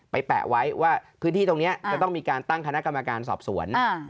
แปะไว้ว่าพื้นที่ตรงนี้จะต้องมีการตั้งคณะกรรมการสอบสวน